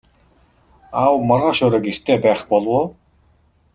Аав маргааш орой гэртээ байх болов уу?